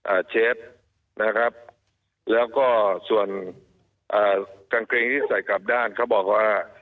เชฟนะครับแล้วก็ส่วนอ่ากางเกงที่ใส่กลับด้านเขาบอกว่า